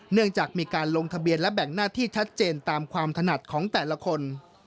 เนื่องจากมีการลงทะเบียนและแบ่งหน้าที่ชัดเจนตามความถนัดของแต่ละคน